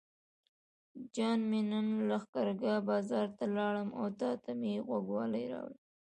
جان مې نن لښکرګاه بازار ته لاړم او تاته مې غوږوالۍ راوړې.